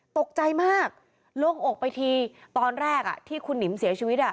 ตกใจมากลงอกไปทีตอนแรกที่คุณหนิมเสียชีวิต